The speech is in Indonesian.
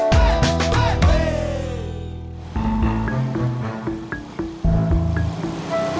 jangan gitu atu